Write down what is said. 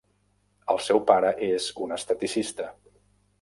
El seu pare és un esteticista.